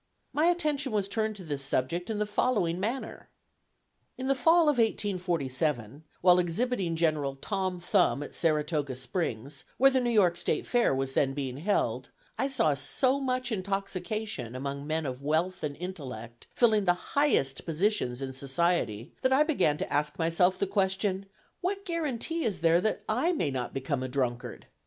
My attention was turned to this subject in the following manner: In the fall of 1847, while exhibiting General Tom Thumb at Saratoga Springs, where the New York State Fair was then being held, I saw so much intoxication among men of wealth and intellect, filling the highest positions in society, that I began to ask myself the question, What guarantee is there that I may not become a drunkard?